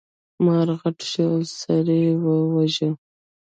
مار غټ شو او سړی یې وواژه.